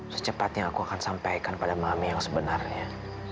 secepatnya aku akan sampaikan pada malam yang sebenarnya